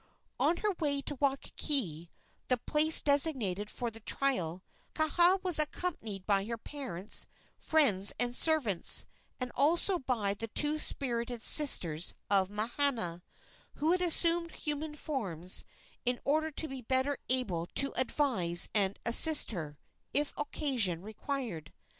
On her way to Waikiki, the place designated for the trial, Kaha was accompanied by her parents, friends and servants, and also by the two spirit sisters of Mahana, who had assumed human forms in order to be better able to advise and assist her, if occasion required.